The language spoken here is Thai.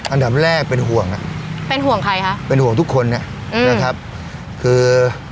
อันดับแรกเป็นห่วงอ่ะเป็นห่วงใครคะเป็นห่วงทุกคนอ่ะอืมนะครับคือ